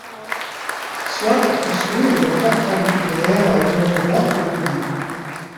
Soit à construire une perpendiculaire à une droite donnée.